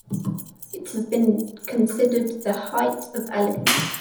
It has been considered the height of elegance.